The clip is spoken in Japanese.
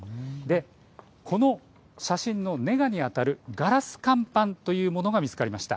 この写真のネガにあたるガラス乾板というものが見つかりました。